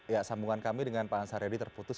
ya sambungan kami dengan pak ansar yadi terputus